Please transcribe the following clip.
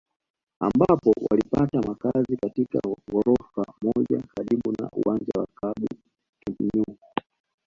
ambapo walipata makazi katika ghorofa moja karibu na uwanja wa klabu Camp Nou